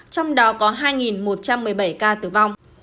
trong đó có hai một trăm một mươi bảy ca tử vong